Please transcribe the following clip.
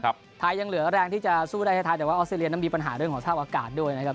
ไทยยังเหลือแรงที่จะสู้ได้ท้ายแต่ว่าออสเตรเลียนั้นมีปัญหาเรื่องของสภาพอากาศด้วยนะครับ